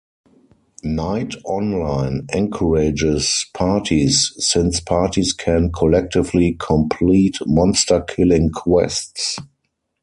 Knight Online encourages parties, since parties can collectively complete monster-killing quests.